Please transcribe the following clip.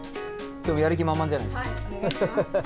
今日はやる気満々じゃないですか。